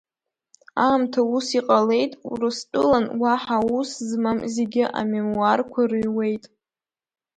Аамҭа ус иҟалеит, Урыстәылан уаҳа ус змам зегьы амемуарқәа рыҩуеит.